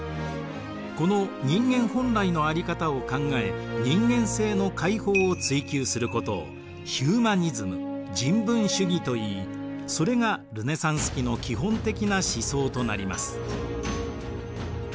この人間本来のあり方を考え人間性の解放を追求することをヒューマニズム人文主義といいそれがルネサンス期の基本的な思想となります。